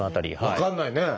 分かんないね。